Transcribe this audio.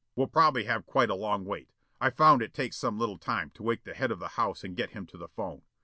We'll probably have quite a long wait. I've found it takes some little time to wake the head of the house and get him to the 'phone.